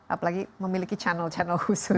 apalagi memiliki channel channel khusus